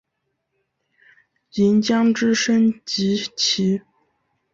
银将之升级棋。